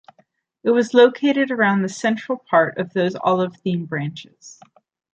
It was located around the central part of those olive theme branches.